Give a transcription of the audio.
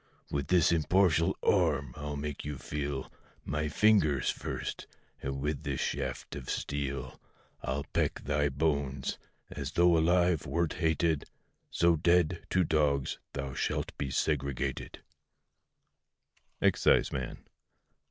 With this impartial arm I'll make you feel My fingers first, and with this shaft of steel I'll peck thy bones! as thou alive wert hated, So dead, to dogs thou shalt be segregated. EXCISEMAN.